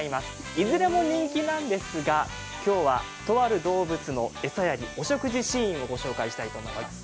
いずれも人気なんですが今日はとある動物の餌やり、お食事シーンをご紹介したいと思います。